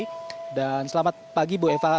ne dan selamat pagi flush